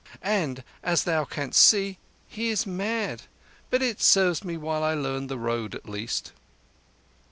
And, as thou canst see, he is mad. But it serves me while I learn the road at least."